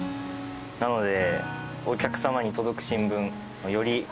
なので。